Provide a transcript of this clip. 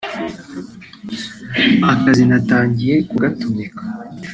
Akazi natangiye kugatumika